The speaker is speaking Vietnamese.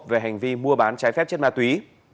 về hành vi mua bán trái phép chất ma túy